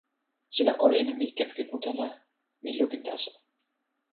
sina olin e mi kepeken uta la mi lukin taso.